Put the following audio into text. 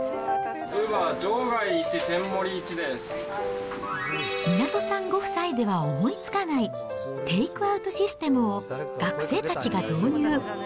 場外１、湊さんご夫妻では思いつかない、テイクアウトシステムを学生たちが導入。